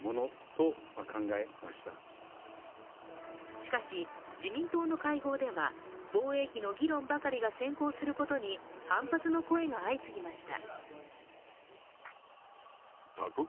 しかし、自民党の会合では防衛費の議論ばかりが先行することに反発の声が相次ぎました。